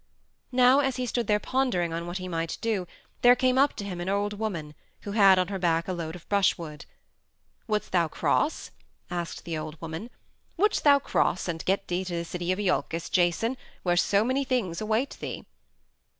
Now as he stood there pondering on what he might do there came up to him an old woman who had on her back a load of brushwood. "Wouldst thou cross?" asked the old woman. "Wouldst thou cross and get thee to the city of Iolcus, Jason, where so many things await thee?"